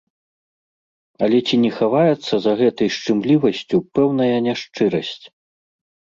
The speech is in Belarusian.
Але ці не хаваецца за гэтай шчымлівасцю пэўная няшчырасць?